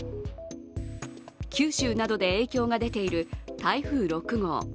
九州などで影響が出ている台風６号